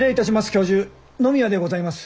教授野宮でございます。